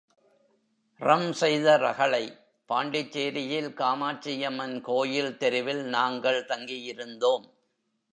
ரம் செய்த ரகளை பாண்டிச்சேரியில் காமாட்சியம்மன் கோயில் தெருவில் நாங்கள் தங்கியிருந்தோம்.